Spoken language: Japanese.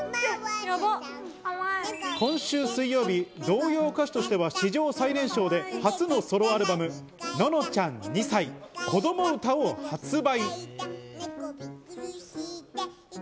今週水曜日、童謡歌手としては史上最年少で初のソロアルバム『ののちゃん２さいこどもうた』を発売。